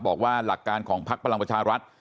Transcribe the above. บอกว่าหลักการของพักพลังประชารัฐ